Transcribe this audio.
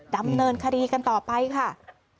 ดำเนินคดีกันต่อไปค่ะ